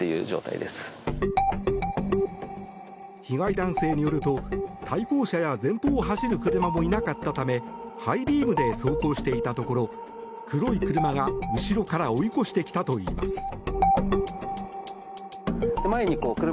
被害男性によると対向車や前方を走る車もいなかったためハイビームで走行していたところ黒い車が後ろから追い越してきたといいます。